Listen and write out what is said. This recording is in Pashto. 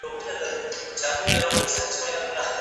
چي دا زه دي تنګوم سبب ئې دی دئ.